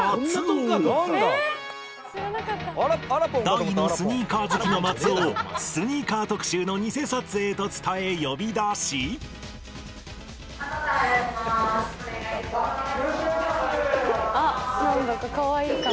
大のスニーカー好きの松尾をスニーカー特集のニセ撮影と伝え呼び出しお願いします。